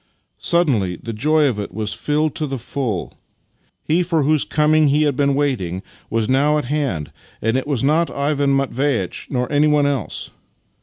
Suddenly the joy of it was filled to the full ! He for whose coming he had been waiting, was now at hand and it was not Ivan Mat veitch nor anyone else.